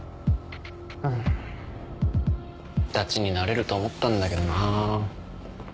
んダチになれると思ったんだけどなぁ。